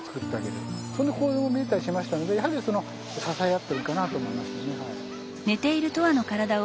そんな行動を見えたりしましたのでやはりその支え合ってるかなと思いましたねはい。